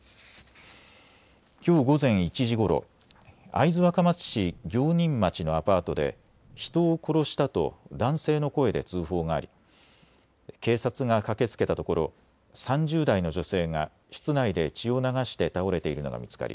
きょう午前１時ごろ、会津若松市行仁町のアパートで人を殺したと男性の声で通報があり警察が駆けつけたところ３０代の女性が室内で血を流して倒れているのが見つかり